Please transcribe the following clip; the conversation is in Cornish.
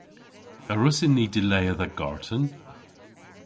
A wrussyn ni dilea dha garten?